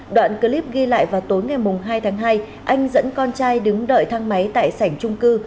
đoạn clip ghi lại vào tối ngày hai tháng hai anh dẫn con trai đứng đợi thang máy tại sảnh trung cư